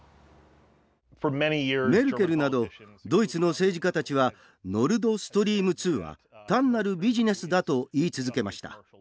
メルケルなどドイツの政治家たちはノルドストリーム２は単なるビジネスだと言い続けました。